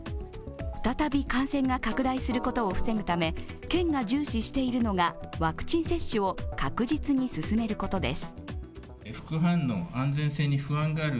再び感染が拡大することを防ぐため、県が重視しているのがワクチン接種を確実に進めることです。